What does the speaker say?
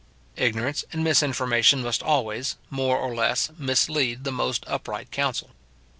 Ignorance and misinformation must always, more or less, mislead the most upright council.